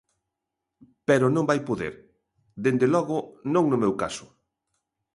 Pero non vai poder; dende logo non no meu caso.